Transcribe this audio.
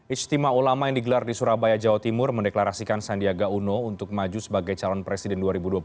istimewa ulama yang digelar di surabaya jawa timur mendeklarasikan sandiaga uno untuk maju sebagai calon presiden dua ribu dua puluh